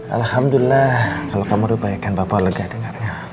alhamdulillah kalau kamu rupanyakan bapak lega dengarnya